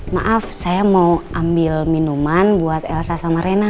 maaf saya mau ambil minuman buat elsa sama rena